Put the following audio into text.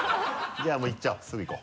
じゃあもういっちゃおうすぐいこう。